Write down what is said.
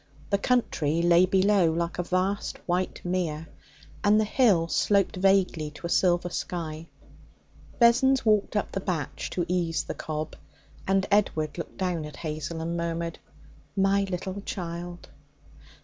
The country lay below like a vast white mere, and the hill sloped vaguely to a silver sky. Vessons walked up the batch to ease the cob, and Edward looked down at Hazel and murmured: 'My little child!'